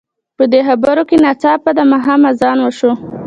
په دې خبرو کې ناڅاپه د ماښام اذان وشو.